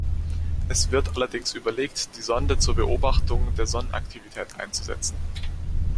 Es wird allerdings überlegt, die Sonde zur Beobachtung der Sonnenaktivität einzusetzen.